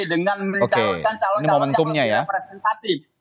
dengan menjalankan calon calon yang lebih representatif